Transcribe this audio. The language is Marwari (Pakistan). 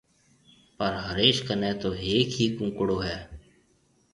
پر هريش ڪنَي تو هيَڪ ئي ڪونڪڙو هيَ۔